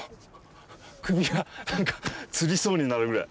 首が何かつりそうになるぐらい。